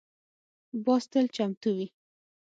باز تل چمتو وي